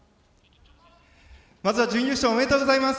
まずは準優勝おめでとうございます。